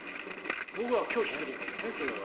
僕はそれは拒否するんだけどね。